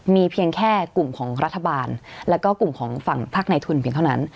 มีเพียงแค่กลุ่มของรัฐบาลแล้วก็กลุ่มของฝั่งภาคในทุนเพียงเท่านั้น